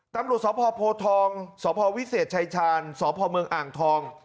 ตำรวจสพโพทองสพวิเศษชายชาญสพเมืองอ่างทอง